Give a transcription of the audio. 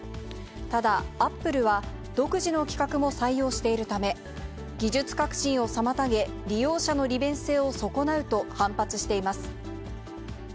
ただ、アップルは独自の企画も採用しているため、技術革新を妨げ、利用者の利便性を損なうと反発しています。